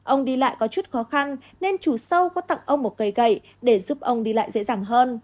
ông đi lại có chút khó khăn nên chủ sâu có tặng ông một cây gậy để giúp ông đi lại dễ dàng hơn